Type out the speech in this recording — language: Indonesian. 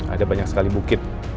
ada banyak sekali bukit